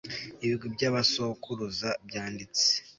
ibigwi by'abasokuruza byanditse